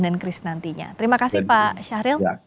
dan kris nantinya terima kasih pak syahril